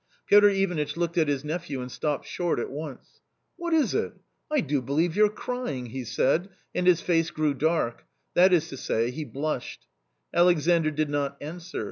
Piotr Ivanitch looked at his nephew and stopped short at once. " What is it ? I do believe you're crying !" he said, and his face grew dark ; that is to say, he blushed. Alexandr did not answer.